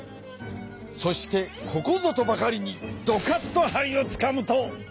そしてここぞとばかりにどかっとはいをつかむと。